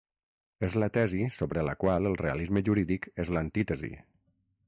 És la tesi sobre la qual el realisme jurídic és l'antítesi.